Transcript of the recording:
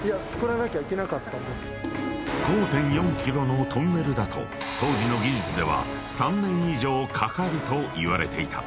［５．４ｋｍのトンネルだと当時の技術では３年以上かかるといわれていた］